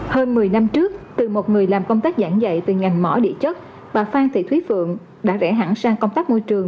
hơn một mươi năm trước từ một người làm công tác giảng dạy từ ngành mỏ địa chất bà phan thị thúy phượng đã vẽ hẳn sang công tác môi trường